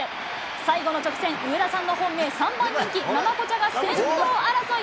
最後の直線、上田さんの本命、３番人気ママコチャが先頭争い。